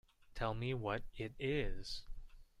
Tell me what it is.